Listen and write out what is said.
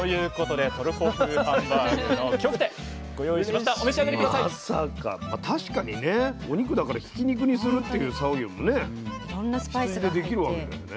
まあ確かにねお肉だからひき肉にするっていう作業もね羊でできるわけだよね。